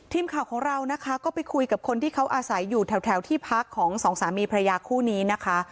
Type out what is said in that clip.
ทีมข่าวของเรานะคะก็ไปคุยกับคนที่เขาอาศัยอยู่แถวที่พักของสองสามีพระยาคู่นี้นะคะ